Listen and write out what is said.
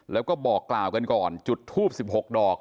แล้วก็บอกกล่าวกันก่อนจุดทูบ๑๖ดอก